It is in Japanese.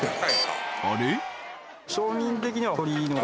あれ？